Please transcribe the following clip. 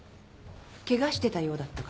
ケガしてたようだったから。